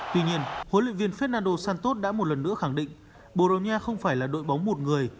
tuy nhiên hối luyện viên fernando santos đã một lần nữa khẳng định bồ đào nha không phải là đội bóng một người